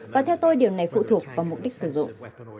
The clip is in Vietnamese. và theo tôi điều này phụ thuộc vào mục đích sử dụng